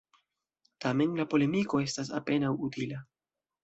Tamen, la polemiko estas apenaŭ utila.